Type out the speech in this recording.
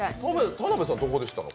田辺さん、どこで知ったの？